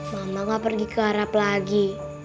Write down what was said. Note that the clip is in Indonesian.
mama gak pergi ke arab lagi